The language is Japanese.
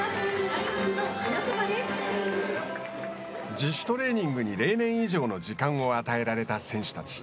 自主トレーニングに例年以上の時間を与えられた選手たち。